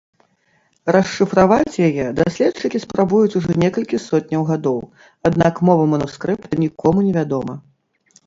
Расшыфраваць яе даследчыкі спрабуюць ужо некалькі сотняў гадоў, аднак мова манускрыпта нікому не вядома.